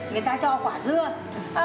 người ta cho quả dưa